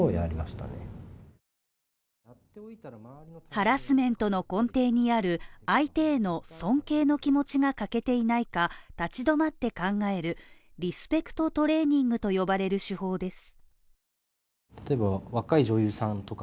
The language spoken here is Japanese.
ハラスメントの根底にある相手への尊敬の気持ちが欠けていないか、立ち止まって考えるリスペクトトレーニングと呼ばれる手法です。